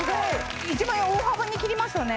１万円を大幅に切りましたよね